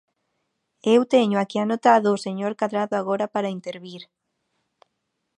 Eu teño aquí anotado o señor Cadrado agora para intervir.